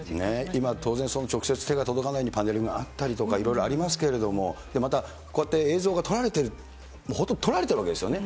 今、当然、直接手が届かないようにパネルがあったりとかいろいろありますけども、またこうやって映像が撮られてる、本当に撮られてるわけですよね。